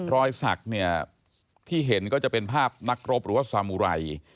รอยสักเนี่ยที่เห็นก็จะเป็นภาพนักรบหรือว่าสามุไร